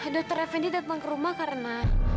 dokter effendi datang ke rumah karena